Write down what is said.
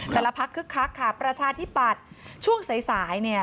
แต่ละภาคคึกคักค่ะประชาธิบัติช่วงสายเนี่ย